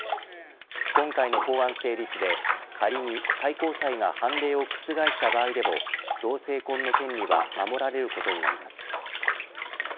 今回の法案成立で仮に最高裁が判例を覆した場合でも同性婚の権利は守られることになります。